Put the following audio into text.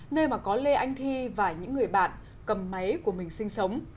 nơi mà có lê anh thi và những người bạn cầm máy của mình sinh sống